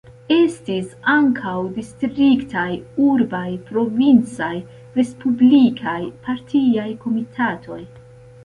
Estis ankaŭ distriktaj, urbaj, provincaj, respublikaj partiaj komitatoj.